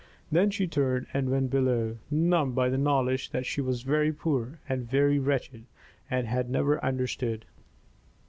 Then she turned and went below, numbed by the knowledge that she was very poor and very wretched, and had never understood.